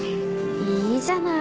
いいじゃない。